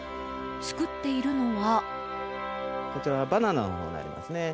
作っているのは。